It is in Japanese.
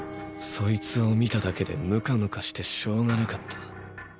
そいつを見ただけでムカムカしてしょうがなかった。